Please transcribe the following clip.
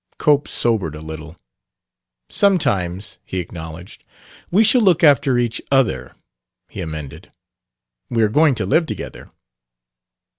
Cope sobered a little. "Sometimes," he acknowledged. "We shall look after each other," he amended. "We are going to live together."